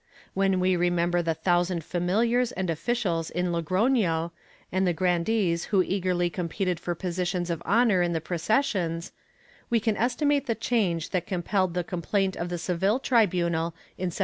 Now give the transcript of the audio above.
When we remember the thousand familiars and officials in Logroiio, and the grandees who eagerly competed for positions of honor in the processions, we can estimate the change that compelled the com plaint of the Seville tribunal, in 1729.